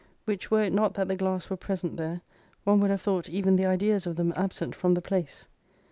Which were it not that the glass were present there, one would have thought even the ideas of them absent from the place.